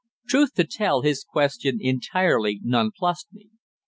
Truth to tell, his question entirely nonplussed me.